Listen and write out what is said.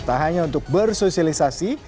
tak hanya untuk bersosialisasi